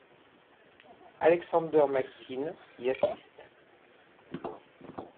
Alexander McQueen y assiste.